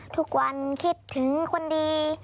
ทุกวันคิดถึงคนดี